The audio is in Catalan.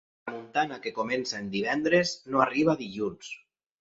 Tramuntana que comença en divendres no arriba a dilluns.